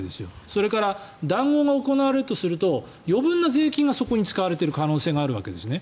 それから談合が行われるとすると余分な税金がそこに使われている可能性があるわけですね。